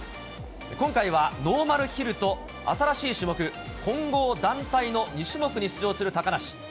今回はノーマルヒルと、新しい種目、混合団体の２種目に出場する高梨。